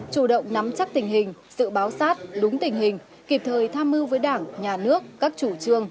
chủ động nắm chắc tình hình sự báo sát đúng tình hình kịp thời tham mưu với đảng nhà nước các chủ trương